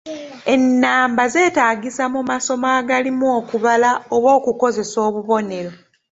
Ennamba zeetaagisa mu masomo agalimu okubala oba okukozesa obubonero.